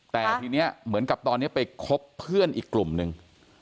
แต่ทีนี้เหมือนกับตอนนี้ไปคบเพื่อนอีกกลุ่มนึง